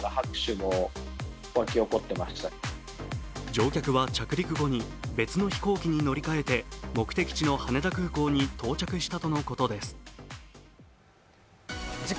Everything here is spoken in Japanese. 乗客は着陸後に別の飛行機に乗り換えて目的地の羽田空港に到着したとのことです。